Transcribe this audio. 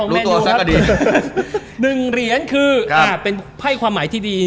รู้ตัวซะก็ดี